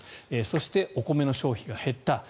そして、お米の消費が減った。